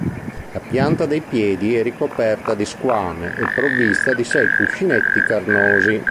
La pianta dei piedi è ricoperta di squame e provvista di sei cuscinetti carnosi.